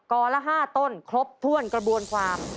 กนะครับกละ๕ต้นครบถ้วนกระบวนความ